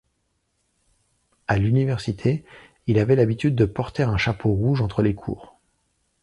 À l'université, il avait l'habitude de porter un chapeau rouge entre les cours.